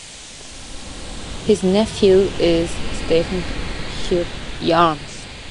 His nephew is Stephen Hyams.